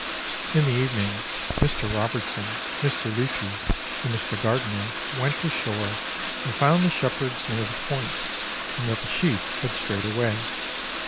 In the evening, Mr. Robertson, Mr. Leake, and Mr. Gardiner went ashore, and found the shepherds near the Point, and that the sheep had strayed away.